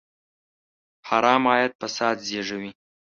حرام عاید فساد زېږوي.